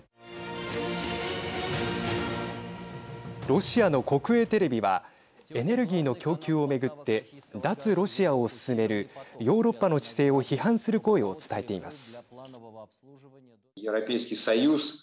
ロシアの国営テレビはエネルギーの供給を巡って脱ロシアを進めるヨーロッパの姿勢を批判する声を伝えています。